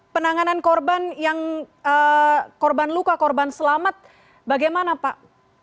penanganan korban yang korban luka korban selamat bagaimana pak